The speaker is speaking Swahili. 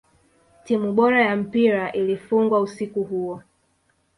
timu bora ya mpira ilifungwa usiku huo